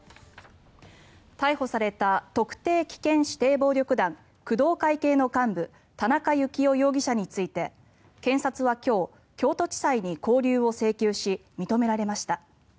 逮捕された特定危険指定暴力団工藤会系の幹部田中幸雄容疑者について検察は今日京都地裁に勾留を請求し認められました。